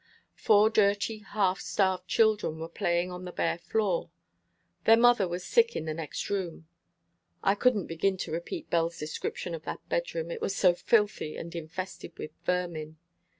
Four dirty, half starved children were playing on the bare floor. Their mother was sick in the next room. I couldn't begin to repeat Belle's description of that bedroom, it was so filthy and infested with vermin.